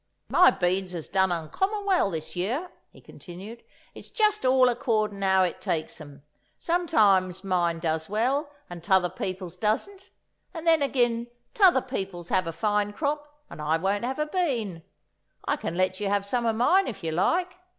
"My beans has done uncommon well this year," he continued. "It's jest all accordin' how it takes 'em; sometimes mine does well and t'other people's doesn't; and then agin t'other people'll have a fine crop and I won't have a bean. I can let you have some o' mine if you like.